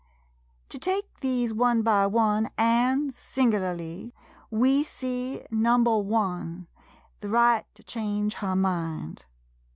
To take these one by one an' sing'larly we see No. i — the right to change her mind.